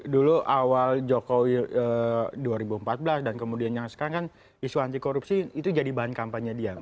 dulu awal jokowi dua ribu empat belas dan kemudian yang sekarang kan isu anti korupsi itu jadi bahan kampanye dia